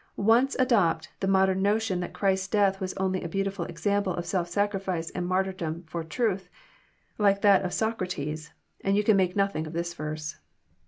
Once adopt the modern notion that Christ's death was only a beautiful example of self sacrifice and martyrdom for truth, like that of Socrates, and you can make nothing of this verse.